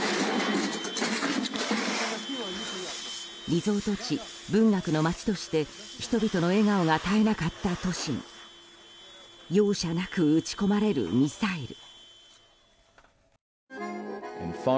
リゾート地、文学の街として人々の笑顔が絶えなかった都市に容赦なく撃ち込まれるミサイル。